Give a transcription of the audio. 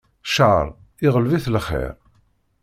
Cceṛ, iɣleb-it lxiṛ.